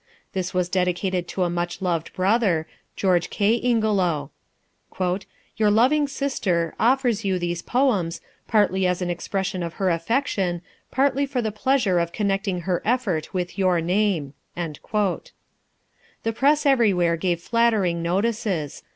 This was dedicated to a much loved brother, George K. Ingelow: "YOUR LOVING SISTER OFFERS YOU THESE POEMS, PARTLY AS AN EXPRESSION OF HER AFFECTION, PARTLY FOR THE PLEASURE OF CONNECTING HER EFFORT WITH YOUR NAME." The press everywhere gave flattering notices.